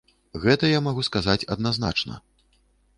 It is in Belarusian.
Гэта я магу сказаць адназначна.